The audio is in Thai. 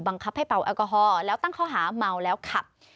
บังคับให้เปาแอลกอฮอล์แล้วตั้งเขาหาเมาแล้วขับ